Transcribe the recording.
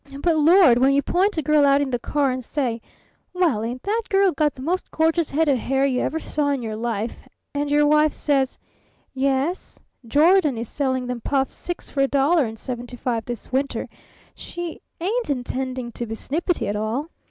But, Lord! when you point a girl out in the car and say, 'Well, ain't that girl got the most gorgeous head of hair you ever saw in your life?' and your wife says: 'Yes Jordan is selling them puffs six for a dollar seventy five this winter,' she ain't intending to be snippety at all.